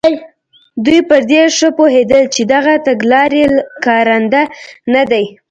دوی پر دې ښه پوهېدل چې دغه تګلارې کارنده نه دي.